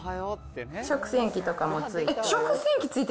食洗機とかも付いて。